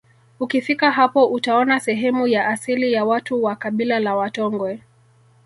Ukifika hapo utaona sehemu ya asili ya watu wa kabila la Watongwe